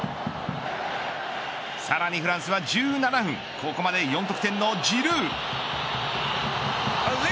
さらにフランスは１７分ここまで４得点のジルー。